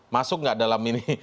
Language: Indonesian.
masuk nggak dalam ini